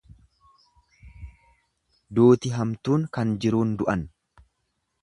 Duuti hamtuun kan jiruun du'an.